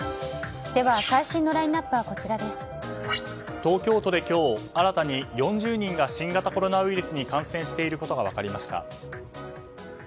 東京都で今日新たに４０人が新型コロナウイルスに感染していることが分かりました。